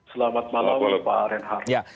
selamat malam pak renhar